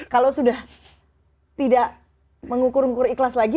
kalau sudah tidak mengukur ukur ikhlas lagi